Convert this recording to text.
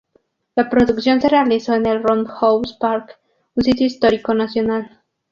La producción se realizó en el Roundhouse Park, un sitio histórico nacional.